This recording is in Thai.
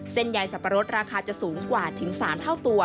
เส้นใยสับปะรดราคาจะสูงกว่าถึง๓เท่าตัว